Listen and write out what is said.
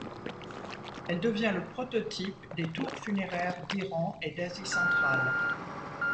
Elle devient le prototype des tours funéraires d'Iran et d'Asie centrale.